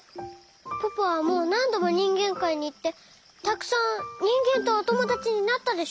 ポポはもうなんどもにんげんかいにいってたくさんにんげんとおともだちになったでしょ？